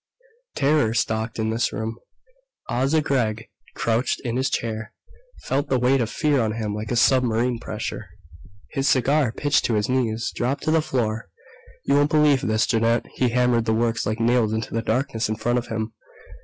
Terror stalked in this room. Asa Gregg crouched in his chair, felt the weight of Fear on him like a submarine pressure. His cigar pitched to his knees, dropped to the floor. "You won't believe this, Jeannette." He hammered the words like nails into the darkness in front of him.